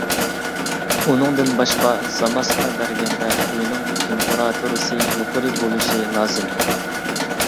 ئۇنىڭدىن باشقا، زاماسكا بەرگەندە ئۆينىڭ تېمپېراتۇرىسى يۇقىرى بولۇشى لازىم.